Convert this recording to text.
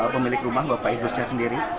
pemilik rumah bapak idrusnya sendiri